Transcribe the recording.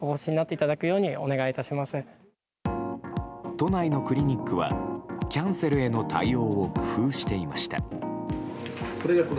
都内のクリニックはキャンセルへの対応を工夫していました。